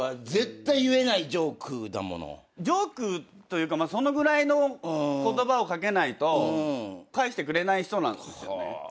ジョークというかそのぐらいの言葉を掛けないと返してくれない人なんですよね。